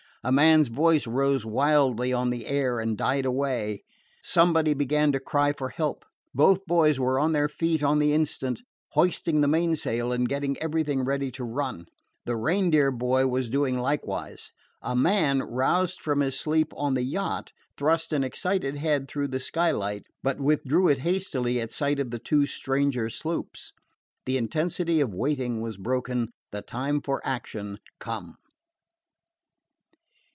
A man's voice rose wildly on the air and died away. Somebody began to cry for help. Both boys were on their feet on the instant, hoisting the mainsail and getting everything ready to run. The Reindeer boy was doing likewise. A man, roused from his sleep on the yacht, thrust an excited head through the skylight, but withdrew it hastily at sight of the two stranger sloops. The intensity of waiting was broken, the time for action come.